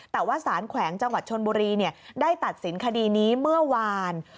แต่ว่าสารแขวงจังหวัดชนบุรีได้ตัดสินคดีนี้เมื่อวาน